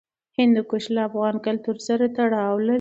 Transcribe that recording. هندوکش له افغان کلتور سره تړاو لري.